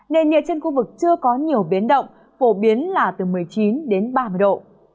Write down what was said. nên nhiệt chất khu vực chưa có nhiều biến động phổ biến là từ một mươi chín ba mươi độ